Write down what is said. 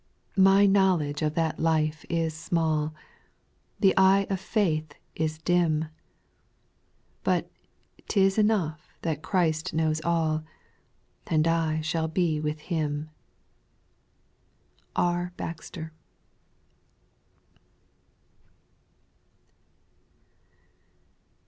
6. My knowledge of that life is small, The eye of faith is dim ; But 't is enough that Christ knows all, And I shall be with Him. B. BAXTER.